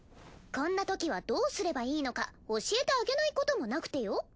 こんなときはどうすればいいのか教えてあげないこともなくてよ。